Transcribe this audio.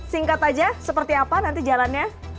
singkat saja seperti apa nanti jalannya